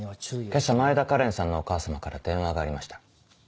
今朝前田花恋さんのお母様から電話がありました。